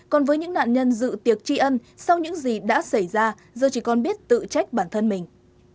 còn với những nạn nhân dự tiệc tri ân sau những gì đã xảy ra giờ chỉ còn biết tự trách bản thân mình